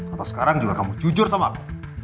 atau sekarang juga kamu jujur sama aku